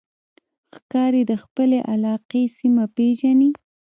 ښکاري د خپلې علاقې سیمه پېژني.